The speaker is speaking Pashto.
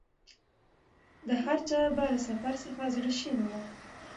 د هرچا به له سفر څخه زړه شین وو